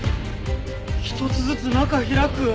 一つずつ中開く？